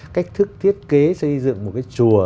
cách thức thiết kế xây dựng một cái chùa